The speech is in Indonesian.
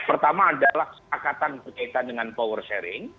pertama adalah kesepakatan berkaitan dengan power sharing